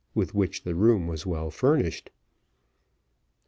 with which the room was well furnished.